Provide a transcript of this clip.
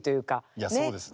いやそうですね。ね